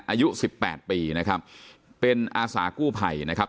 อายุสิบแปดปีนะครับเป็นอาสากู้ภัยนะครับ